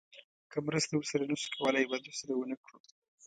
که مرسته ورسره نه شو کولی بد ورسره ونه کړو.